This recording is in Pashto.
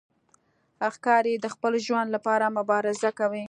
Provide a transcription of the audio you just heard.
ښکاري د خپل ژوند لپاره مبارزه کوي.